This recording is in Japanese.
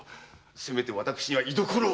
せめて私には居所を！